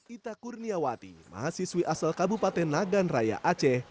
ita kurniawati mahasiswi asal kabupaten nagan raya aceh